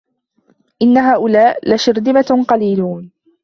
إِنَّ هَؤُلَاءِ لَشِرْذِمَةٌ قَلِيلُونَ